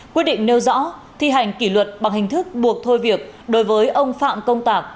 quyết định nêu rõ thi hành kỷ luật bằng hình thức buộc thôi việc đối với ông phạm công tạc